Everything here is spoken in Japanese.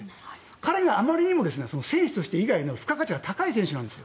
彼があまりにも選手としての付加価値が高い選手なんです。